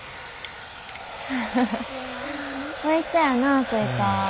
おいしそうやなスイカ。